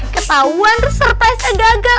ketauan terus surprise aja gagal